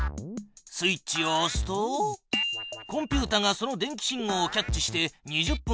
スイッチをおすとコンピュータがその電気信号をキャッチして２０分を計り始める。